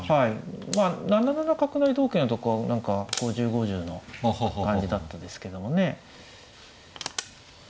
まあ７七角成同桂のとこは何か５０５０の感じだったですけどもね。